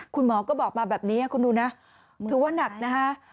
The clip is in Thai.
คุณหมอก็บอกมาแบบนี้คุณดูนะถือว่านักนะฮะ